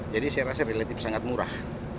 saya rasa relatif sangat murah